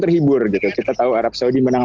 terhibur gitu kita tahu arab saudi menang